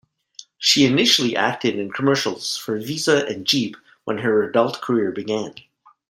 She initially acted in commercials for Visa and Jeep when her adult career began.